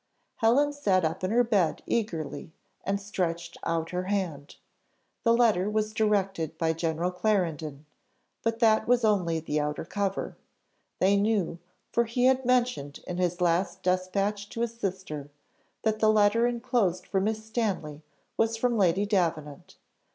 Helen sat up in her bed eagerly, and stretched out her hand. The letter was directed by General Clarendon, but that was only the outer cover, they knew, for he had mentioned in his last dispatch to his sister, that the letter enclosed for Miss Stanley was from Lady Davenant.